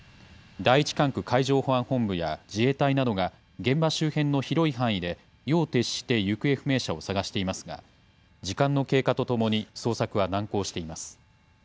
第１管区海上保安本部や自衛隊などが、現場周辺の広い範囲で夜を徹して行方不明者を捜していますが、時間の経過とともに、捜索は難航しています。